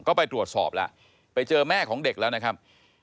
ก็ไปตรวจสอบแล้วไปเจอแม่ของเด็กแล้วนะครับ